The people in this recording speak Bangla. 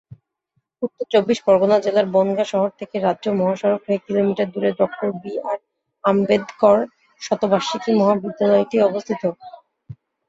উত্তর চব্বিশ পরগনা জেলার বনগাঁ শহর থেকে রাজ্য মহাসড়ক হয়ে কিলোমিটার দূরে ডক্টর বি আর আম্বেদকর শতবার্ষিকী মহাবিদ্যালয়টি অবস্থিত।